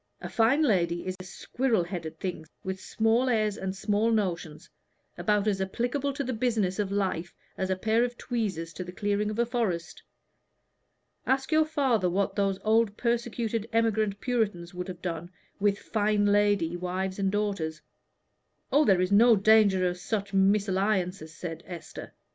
"A fine lady is a squirrel headed thing, with small airs, and small notions, about as applicable to the business of life as a pair of tweezers to the clearing of a forest. Ask your father what those old persecuted emigrant Puritans would have done with fine lady wives and daughters." "Oh, there is no danger of such mésalliances," said Esther.